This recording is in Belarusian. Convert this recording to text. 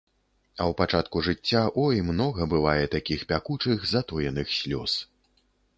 А ў пачатку жыцця, ой, многа бывае такіх пякучых затоеных слёз.